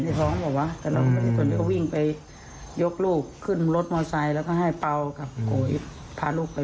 ไปโรงพยาบาลค่ะนั่นแหละตอนนั้นเราแฝนพระอะไร